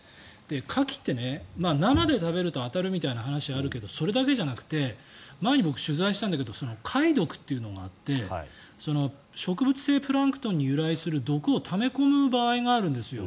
カキって生で食べると当たるみたいな話があるけどそれだけじゃなくて前に僕、取材したんだけど貝毒というのがあって植物性プランクトンに由来する毒をため込む場合があるんですよ